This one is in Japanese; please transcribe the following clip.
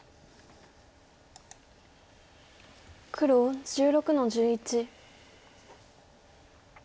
黒１６の十一。